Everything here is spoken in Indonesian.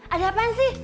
ada apaan sih